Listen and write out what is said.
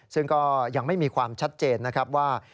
ซึ่งก็ยังไม่มีความชัดเจนนะครับว่า